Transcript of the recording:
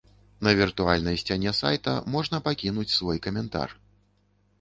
На віртуальнай сцяне сайта можна пакінуць свой каментар.